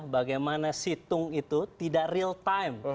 bagaimana situng itu tidak real time